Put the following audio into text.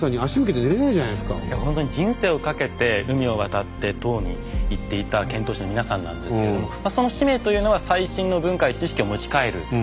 本当に人生をかけて海を渡って唐に行っていた遣唐使の皆さんなんですけれどその使命というのは最新の文化や知識を持ち帰ることでした。